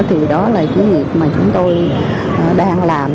thì đó là cái việc mà chúng tôi đang làm